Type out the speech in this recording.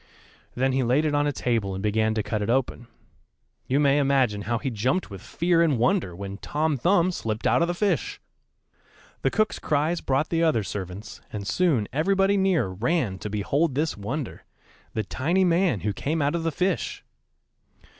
Then he laid it on a table and began to cut it open. You may imagine how he jumped with fear and wonder when Tom Thumb slipped out of the fish! The cook's cries brought the other servants, and soon everybody near ran to behold this wonder the tiny man who came out of the fish.